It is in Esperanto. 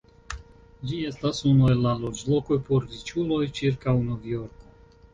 Ĝi estas unu el la loĝlokoj por riĉuloj ĉirkaŭ Novjorko.